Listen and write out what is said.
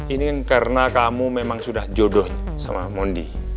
ini karena kamu memang sudah jodoh sama mondi